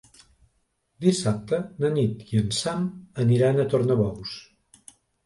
Dissabte na Nit i en Sam aniran a Tornabous.